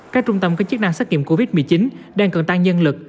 các trung tâm có chức năng xét nghiệm covid một mươi chín đang cần tăng nhân lực